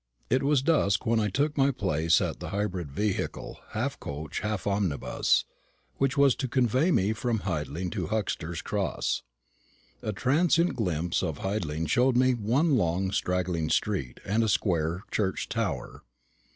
It was dusk when I took my place in the hybrid vehicle, half coach, half omnibus, which was to convey me from Hidling to Huxter's Cross. A transient glimpse at Hidling showed me one long straggling street and a square church tower.